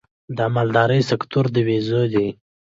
د مالدارۍ سکتور دودیز دی